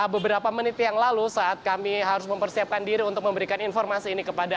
beberapa menit yang lalu saat kami harus mempersiapkan diri untuk memberikan informasi ini kepada